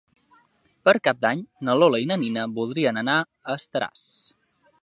Per Cap d'Any na Lola i na Nina voldrien anar a Estaràs.